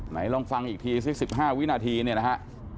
ไหนลองฟังอีกทีสิสิบห้าวินาทีนี่นะฮะ